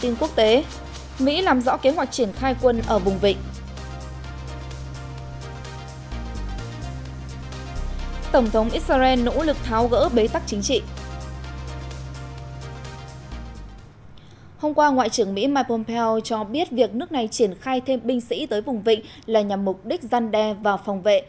ngoại trưởng pompeo cho biết việc nước này triển khai thêm binh sĩ tới vùng vịnh là nhằm mục đích giăn đe và phòng vệ